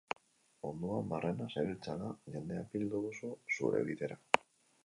Munduan barrena zabiltzala, jendea bildu duzu zure bidera.